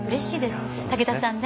武田さんね。